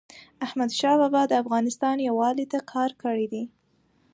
احمدشاه بابا د افغانستان یووالي ته کار کړی دی.